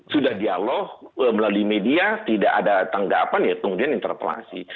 sudah dialog melalui media tidak ada tanggapan ya kemudian interpelasi